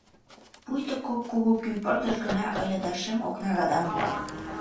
Пуйто кок кугу кӱ пырдыж гына ыле да шем окна радам-влак.